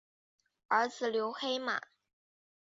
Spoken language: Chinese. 儿子刘黑马。